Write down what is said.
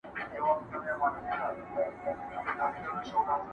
ښه دی ښه دی قاسم یار چي دېوانه دی،